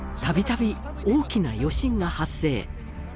たびたび大きな余震が発生